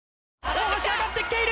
大橋上がってきている。